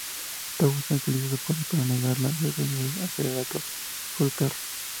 Touma utiliza su poder para negar la defensa de Accelerator y golpearlo.